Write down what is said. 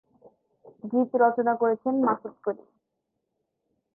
গীত রচনা করেছেন মাসুদ করিম।